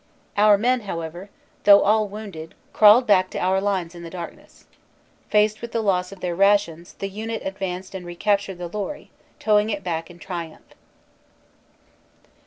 Our men, however, though all wounded, crawled back to our lines in the darkness. Faced with loss of their rations, the unit advanced and recaptured the lorry, towing it back in triumph.